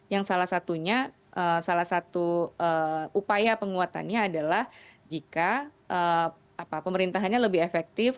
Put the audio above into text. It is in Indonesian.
yang salah satunya salah satu upaya penguatannya adalah jika pemerintahannya lebih efektif